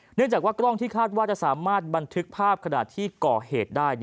เนื่องจากว่ากล้องที่คาดว่าจะสามารถบันทึกภาพขณะที่ก่อเหตุได้